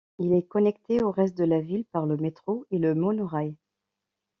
Il est connecté au reste de la ville par le métro et le monorail.